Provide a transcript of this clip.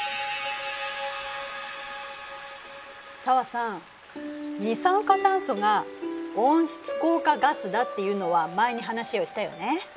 紗和さん二酸化炭素が温室効果ガスだっていうのは前に話をしたよね。